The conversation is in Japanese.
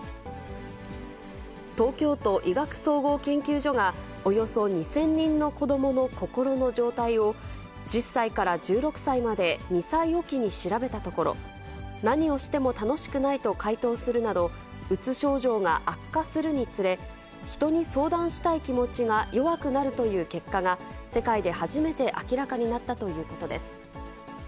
東京都医学総合研究所がおよそ２０００人の子どもの心の状態を、１０歳から１６歳まで、２歳置きに調べたところ、何をしても楽しくないと回答するなど、うつ症状が悪化するにつれ、人に相談したい気持ちが弱くなるという結果が、世界で初めて明らかになったということです。